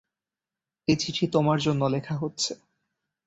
এই চিঠি তোমার জন্য লেখা হচ্ছে।